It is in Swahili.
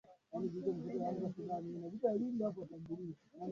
wanyama na mimea pamoja na wakazi wa asili